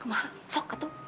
kemana sok itu